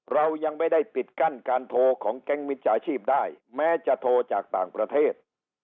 เรายังไม่ได้ปิดกั้นการโทรของแก๊งมิจฉาชีพได้แม้จะโทรจากต่างประเทศ